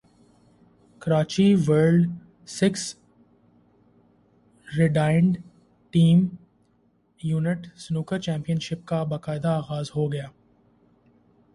Karachi world six red and team event snooker championship کا باقاعدہ اغاز ہوگیا